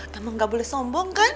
emang gak boleh sombong kan